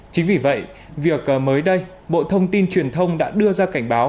chính vì vậy việc mới đây bộ thông tin truyền thông đã đưa ra cảnh báo